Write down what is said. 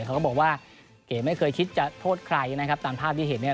เขาก็บอกว่าเก๋ไม่เคยคิดจะโทษใครนะครับตามภาพที่เห็นเนี่ย